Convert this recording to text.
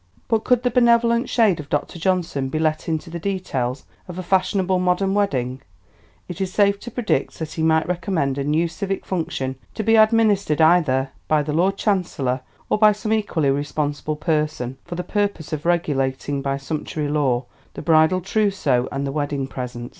But could the benevolent shade of Dr. Johnson be let into the details of a fashionable modern wedding, it is safe to predict that he might recommend a new civic function to be administered either by the Lord Chancellor, or by some equally responsible person for the purpose of regulating by sumptuary law the bridal trousseau and the wedding presents.